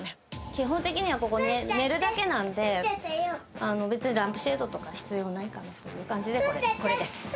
基本的にはここ、寝るだけなんで、別にランプシェードとか、必要ないかなという感じで、これです。